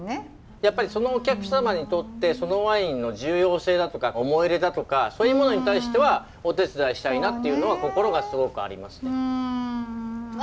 やっぱりそのお客様にとってそのワインの重要性だとか思い入れだとかそういうものに対してはお手伝いしたいなっていうのは心がすごくありますね。わ！